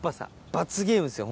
罰ゲームですよ